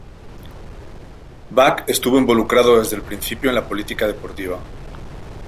Bach estuvo involucrado desde el principio en la política deportiva.